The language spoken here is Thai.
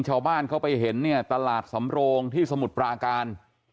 ชาวบ้านเขาไปเห็นเนี่ยตลาดสำโรงที่สมุทรปราการ